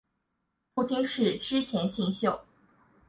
父亲是织田信秀。